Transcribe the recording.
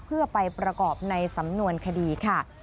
เพื่อไปประกอบในสำนวนคดีค่ะ